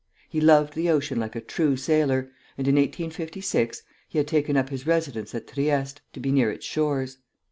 He loved the ocean like a true sailor, and in 1856 he had taken up his residence at Trieste, to be near its shores.